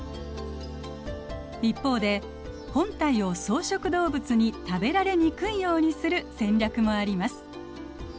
一方で本体を草食動物に食べられにくいようにする戦略もあります。